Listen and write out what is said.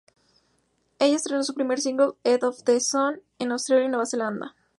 Ella estrenó su primer single, "Edge Of The Sun" en Australia y Nueva Zelanda.